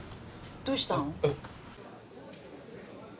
どうしたの？